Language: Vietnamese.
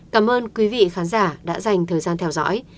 cảm ơn quý vị khán giả đã dành thời gian theo dõi